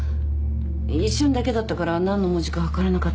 一瞬だけだったから何の文字か分からなかったけど。